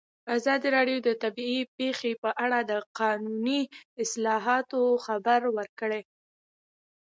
ازادي راډیو د طبیعي پېښې په اړه د قانوني اصلاحاتو خبر ورکړی.